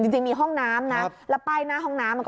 จริงมีห้องน้ำและป้ายหน้าห้องน้ำ